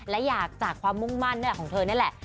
และอยากจากความมุ่งมั่นของเธอนี่แหละ